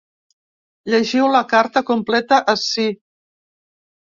Llegiu la carta completa ací.